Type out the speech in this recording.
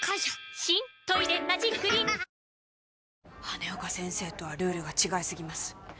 羽根岡先生とはルールが違いすぎます